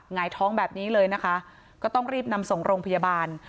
หงายท้องแบบนี้เลยนะคะก็ต้องรีบนำส่งโรงพยาบาล